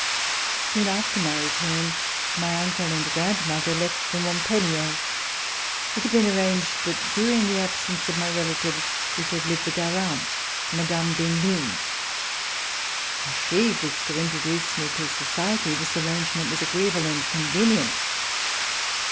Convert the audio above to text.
Soon after my return my uncle and grandmother left for Montpellier. It had been arranged that dur ing the absence of my relatives we should live with our aunt, Mme. d'Henin. As she was to introduce me to society, this arrangement was agreeable and convenient.